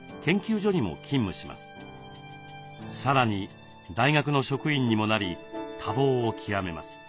さらに大学の職員にもなり多忙を極めます。